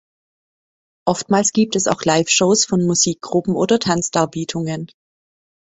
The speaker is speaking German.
Oftmals gibt es auch Live-Shows von Musikgruppen oder Tanzdarbietungen.